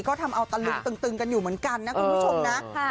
ก็ทำเอาตะลึงตึงกันอยู่เหมือนกันนะคุณผู้ชมนะ